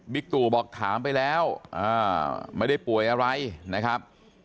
ตู่บอกถามไปแล้วไม่ได้ป่วยอะไรนะครับ